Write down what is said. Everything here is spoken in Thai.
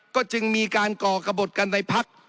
ก็จึงมีการก่อกระบดกันในพัก